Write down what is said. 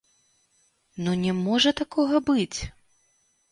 Ну не можа такога быць!